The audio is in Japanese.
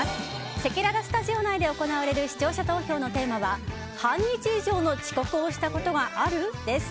せきららスタジオ内で行われる視聴者投票のテーマは半日以上の遅刻をしたことがある？です。